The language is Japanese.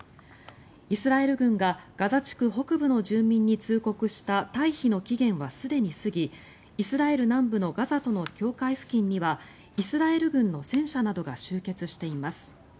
イスラエル軍がガザ地区北部の住民に通告した退避の期限はすでに過ぎイスラエル南部のガザとの境界付近にはイスラエル軍の戦車などが集結しています。